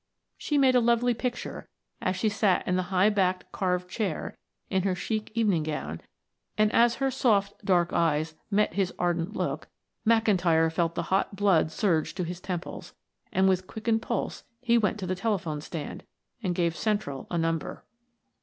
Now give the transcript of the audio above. She made a lovely picture as she sat in the high backed carved chair in her chic evening gown, and as her soft dark eyes met his ardent look, McIntyre felt the hot blood surge to his temples, and with quickened pulse he went to the telephone stand and gave Central a number.